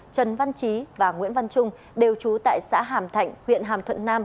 trần văn trí và nguyễn văn trung đều trú tại xã hàm thạnh huyện hàm thuận nam